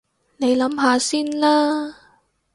你諗下先啦